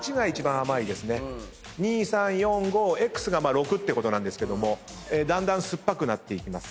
２３４５Ｘが６ってことなんですけどもだんだん酸っぱくなっていきます。